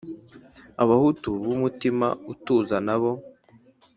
abahutu b’umutima utuza nabo